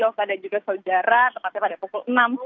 dokter dan juga saudara tepatnya pada pukul enam